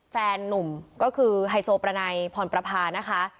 แฟนนุ่มก็คือไฮโซประไนพรประพานะคะ